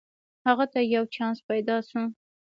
هغه ته یو چانس پیداشو